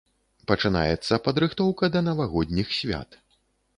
Пачынаецца падрыхтоўка да навагодніх свят.